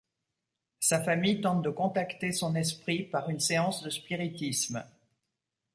Sa famille tente de contacter son esprit par une séance de spiritisme.